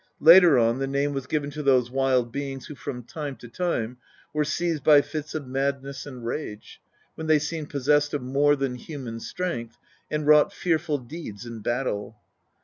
Later on* the name was given to those wild beings who from time to time were seized by fits of madness and rage, when they seemed possessed of more than human strength, and wrought fearful deeds in battle.